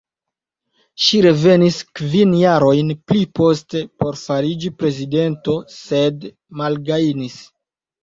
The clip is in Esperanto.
Ŝi revenis kvin jarojn pliposte por fariĝi prezidento sed malgajnis.